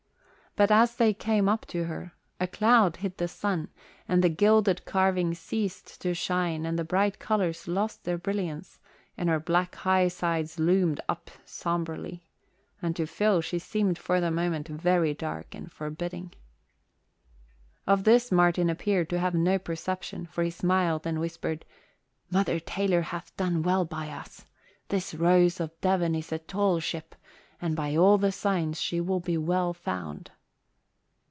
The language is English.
But as they came up to her, a cloud hid the sun and the gilded carving ceased to shine and the bright colours lost their brilliance and her black, high sides loomed up sombrely, and to Phil she seemed for the moment very dark and forbidding. Of this Martin appeared to have no perception, for he smiled and whispered, "Mother Taylor hath done well by us. This Rose of Devon is a tall ship and by all the signs she will be well found."